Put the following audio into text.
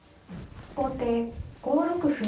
後手５六歩。